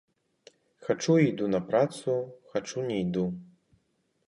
Хачу і іду на працу, хачу не іду.